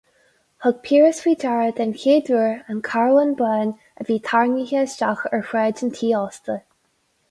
Thug Piaras faoi deara den chéad uair an carbhán bán a bhí tarraingthe isteach ar shráid an tí ósta.